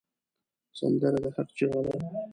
سندره د حق چیغه ده